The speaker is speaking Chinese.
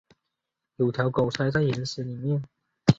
有条狗塞在岩石里面